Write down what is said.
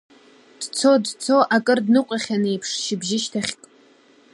Дцо, дцо, акыр дныҟәахьан еиԥш, шьыбжьышьҭахьк…